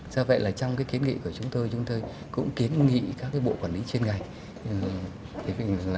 do vậy là trong kiến nghị của chúng tôi chúng tôi cũng kiến nghị các bộ quản lý chuyên ngành